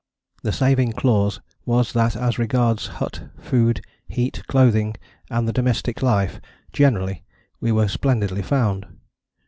The saving clause was that as regards hut, food, heat, clothing and the domestic life generally we were splendidly found.